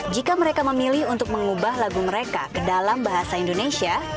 jika mereka memilih untuk mengubah lagu mereka ke dalam bahasa indonesia